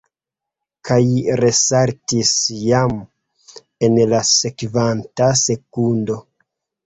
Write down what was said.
Kaj resaltis jam en la sekvanta sekundo.